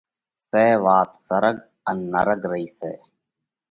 سئہ! وات سرڳ ان نرڳ رئِي سئہ!